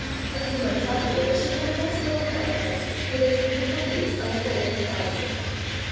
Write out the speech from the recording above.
A few months afterward she had a nice little plant from it, with its beautiful leaves unfolding finely.